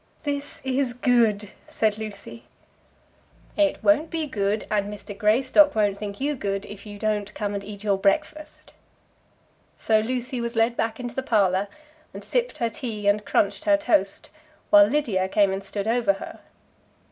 "This is good," said Lucy. "It won't be good, and Mr. Greystock won't think you good, if you don't come and eat your breakfast." So Lucy was led back into the parlour, and sipped her tea and crunched her toast, while Lydia came and stood over her.